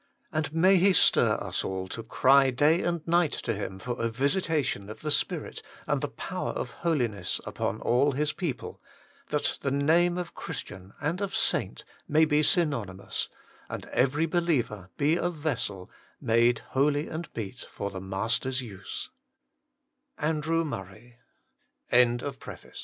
And may He stir us all to cry day and night to Him for a visitation of the Spirit and the Power of Holiness upon all His people, that the name of Christian and of saint may be synonymous, and every believer be a vessel made holy and meet for the Mast